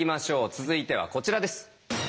続いてはこちらです。